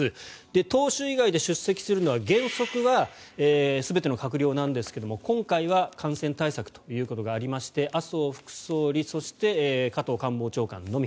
党首以外で出席するのは原則は全ての閣僚なんですが今回は感染対策ということがありまして麻生副総理、そして加藤官房長官のみ。